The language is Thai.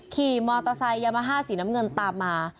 ขี่มอเตอร์ไซค์ยามาฮ่าสีน้ำเงินตามมา